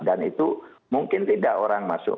dan itu mungkin tidak orang masuk